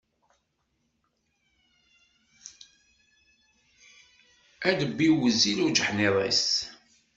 Adebbiw wezzil ujeḥniḍ-is.